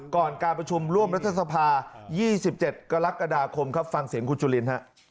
การประชุมร่วมรัฐสภา๒๗กรกฎาคมครับฟังเสียงคุณจุลินฮะ